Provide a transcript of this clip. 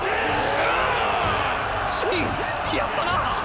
信やったな！